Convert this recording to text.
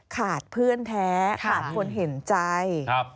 ขาดเพื่อนแท้ขาดคนเห็นใจ